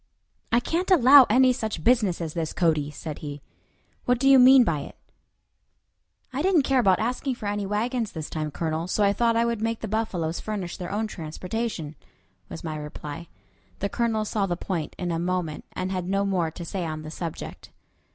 "I can't allow any such business as this, Cody," said he. "What do you mean by it?" "I didn't care about asking for any wagons this time, Colonel, so I thought I would make the buffaloes furnish their own transportation," was my reply. The Colonel saw the point in a moment, and had no more to say on the subject.